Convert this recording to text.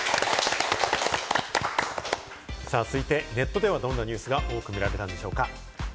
続いて、ネットではどんなニュースが多く見られたんでしょうか？